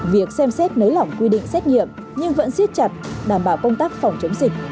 việc xem xét nới lỏng quy định xét nghiệm nhưng vẫn siết chặt đảm bảo công tác phòng chống dịch